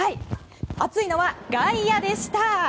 熱いのは外野でした。